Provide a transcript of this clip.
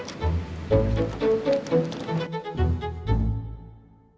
baik bitte natural